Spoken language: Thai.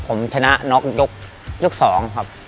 ผมชนะน็อกยก๒ครับ